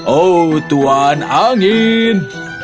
oh tuan angin